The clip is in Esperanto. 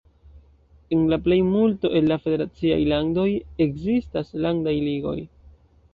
En la plejmulto el la federaciaj landoj ekzistas landaj ligoj.